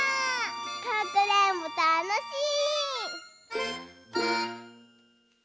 かくれんぼたのしい！